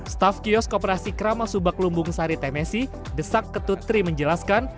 staff kiosk kooperasi kramasubak lumbung sari temesi desak ketutri menjelaskan